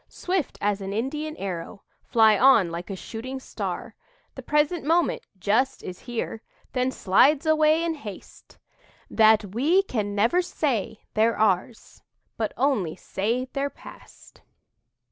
Swift as an Indian arrow Fly on like a shooting star. The present moment, just, is here, Then slides away in haste, That we can never say they're ours, But only say they're past."